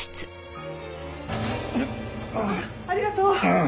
ありがとう。